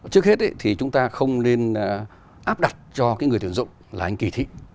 trước hết thì chúng ta không nên áp đặt cho cái người tuyển dụng là anh kỳ thị